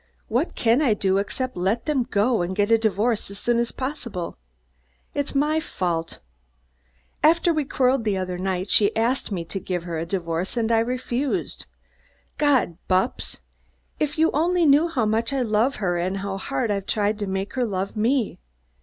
"What can I do, except let them go and get a divorce as soon as possible? It's my fault. After we quarreled the other night, she asked me to divorce her, and I refused. God, Bupps! If you only knew how much I love her and how hard I've tried to make her love me.